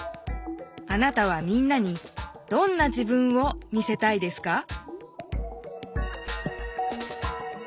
あなたはみんなにどんな自分を見せたいですか？